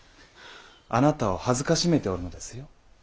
あなたを辱めておるのですよ。